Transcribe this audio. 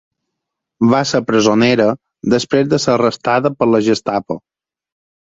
Va ser presonera després de ser arrestada per la Gestapo.